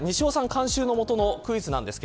監修の下のクイズです。